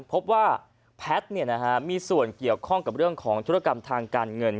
พบว่าแพทย์มีส่วนเกี่ยวข้องกับเรื่องของธุรกรรมทางการเงิน